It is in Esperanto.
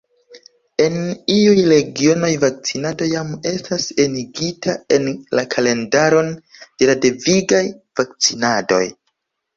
En iuj regionoj vakcinado jam estas enigita en la kalendaron de la devigaj vakcinadoj.